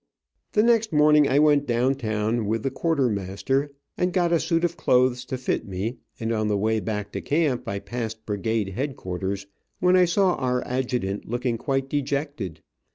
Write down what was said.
The next morning I went down town with the quartermaster, and got a suit of clothes to fit me, and on the way back to camp I passed brigade headquarters, when I saw our adjutant looking quite dejected.